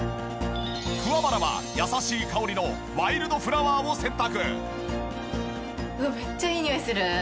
桑原は優しい香りのワイルドフラワーを選択。